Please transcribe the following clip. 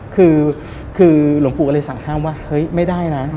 คือหลวงปู่ก็เลยสั่งห้ามว่าเฮ้ยไม่ได้นะ